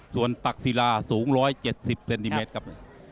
ส่วนตักศิลาสูง๑๗๐เซนติเมตรครับ